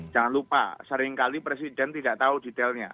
jangan lupa sering kali presiden tidak tahu detailnya